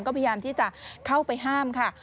ก็พยายามที่จะเข้าไปห้ามค่ะ